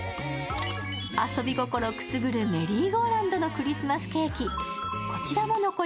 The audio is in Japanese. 遊び心くすぐるメリーゴーランドのクリスマスケーキ。